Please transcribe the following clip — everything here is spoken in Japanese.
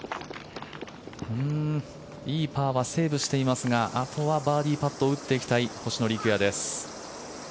いいパーはセーブしていますがあとはバーディーパットを打っていきたい星野陸也です。